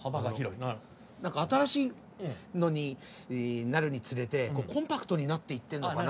何か新しいのになるにつれてコンパクトになっていってんのかな。